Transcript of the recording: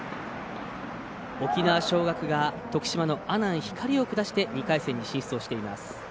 沖縄尚学が徳島の阿南光を下して２回戦に進出をしています。